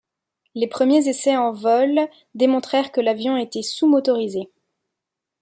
Les premiers essais en vol démontrèrent que l'avion était sous-motorisé.